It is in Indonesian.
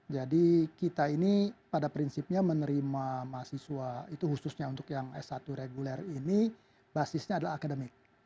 jadi kita ini pada prinsipnya menerima mahasiswa itu khususnya untuk yang s satu reguler ini basisnya adalah akademik